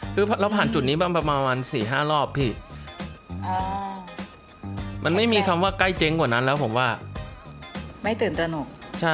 คือเราผ่านจุดนี้มาประมาณ๔๕รอบพี่มันไม่มีคำว่าใกล้เจ๊งกว่านั้นแล้วผมว่าไม่ตื่นตระหนก